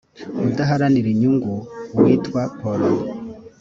udaharanira inyungu witwa polo.